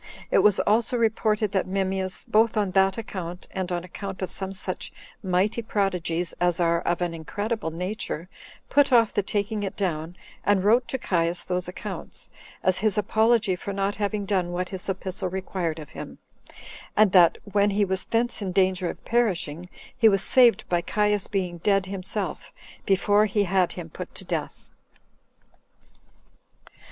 It was also reported that Memmius, both on that account, and on account of some such mighty prodigies as are of an incredible nature, put off the taking it down, and wrote to Caius those accounts, as his apology for not having done what his epistle required of him; and that when he was thence in danger of perishing, he was saved by Caius being dead himself, before he had put him to death.